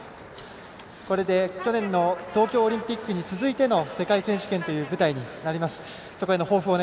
これで、去年の東京オリンピックに続いての世界選手権という舞台になります。